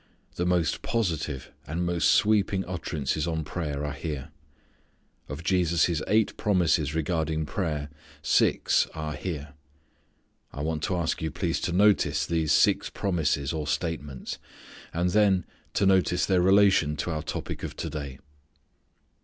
The most positive, and most sweeping utterances on prayer are here. Of Jesus' eight promises regarding prayer six are here. I want to ask you please to notice these six promises or statements; and then, to notice their relation to our topic of to day.